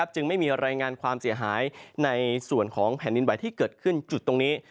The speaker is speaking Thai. จึงไม่มีรายงานความเสียหายในส่วนของแผ่นดินไหวที่เกิดขึ้นจุดตรงนี้